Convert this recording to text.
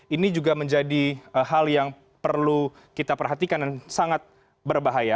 ini juga menjadi hal yang perlu kita perhatikan dan sangat berbahaya